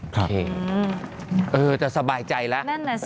ครับเออจะสบายใจแล้ว